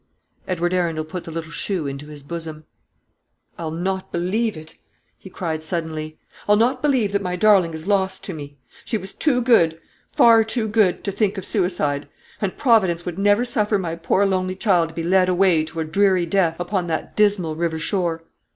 Edward Arundel put the little shoe into his bosom. "I'll not believe it," he cried suddenly; "I'll not believe that my darling is lost to me. She was too good, far too good, to think of suicide; and Providence would never suffer my poor lonely child to be led away to a dreary death upon that dismal river shore.